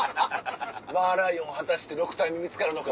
マーライオン果たして６体見つかるのか。